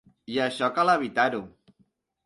I això cal evitar-ho.